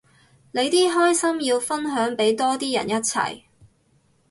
你啲開心要分享俾多啲人一齊